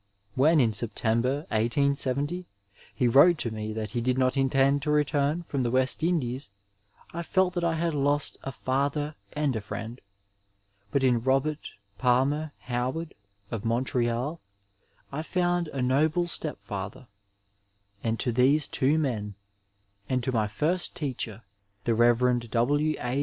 When in September, 1870, he wrote to me that he did not intend to return from the West Indies I felt that I had lost a father and a friend ; but in Robert Palmer Howard, of Montreal, I found a noble step father, and to these two men, and to my first teacher, the Rev. W. A.